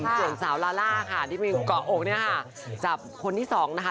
ส่วนสาวลาล่าค่ะที่มีเกาะอกจับคนที่สองนะคะ